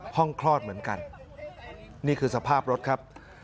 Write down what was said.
คลอดเหมือนกันนี่คือสภาพรถครับ